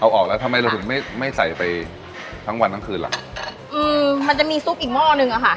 เอาออกแล้วทำไมเราถึงไม่ไม่ใส่ไปทั้งวันทั้งคืนล่ะอืมมันจะมีซุปอีกหม้อหนึ่งอ่ะค่ะ